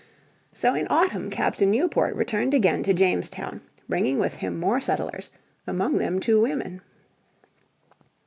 So in autumn Captain Newport returned again to Jamestown, bringing with him more settlers, among them two women.